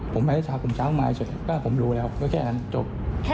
ผมหาคุมช้างมาเฉยผมรู้แล้วก็แค่นั้นจบ